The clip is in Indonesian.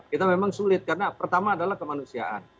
kita memang sulit karena pertama adalah kemanusiaan